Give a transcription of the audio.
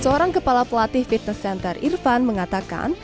seorang kepala pelatih fitness center irfan mengatakan